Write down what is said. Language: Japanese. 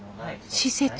施設？